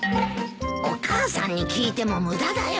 お母さんに聞いても無駄だよ。